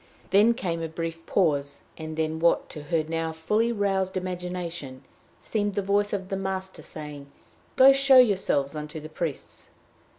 Then came a brief pause, and then what, to her now fully roused imagination, seemed the voice of the Master, saying, "Go show yourselves unto the priests."